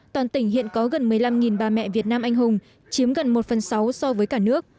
toàn tỉnh hiện có gần một mươi năm bà mẹ việt nam anh hùng chiếm gần một phần sáu so với cả nước